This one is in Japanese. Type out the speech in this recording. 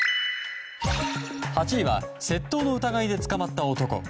８位は窃盗の疑いで捕まった男。